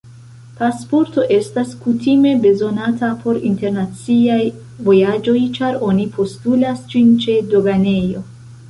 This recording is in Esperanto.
Pasporto estas kutime bezonata por internaciaj vojaĝoj, ĉar oni postulas ĝin ĉe doganejo.